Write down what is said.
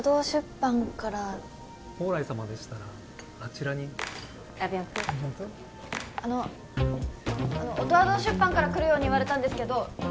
出版から宝来様でしたらあちらにあのあの音羽堂出版から来るように言われたんですけど